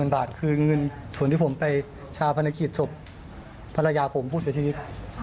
๖๐๐๐๐บาทคือเงินสวนที่ผมไปชายพนักวิทยุทธิ์สบภรรยาผมผู้เสียชีวิต